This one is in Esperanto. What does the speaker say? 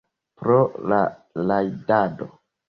Pro la rajdado.